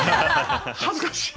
恥ずかしい！